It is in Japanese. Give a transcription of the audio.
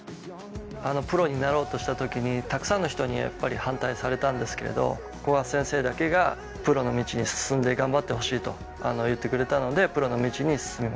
プロになろうとした時にたくさんの人にやっぱり反対されたんですけど古賀先生だけがプロの道に進んで頑張ってほしいと言ってくれたのでプロの道に進みました。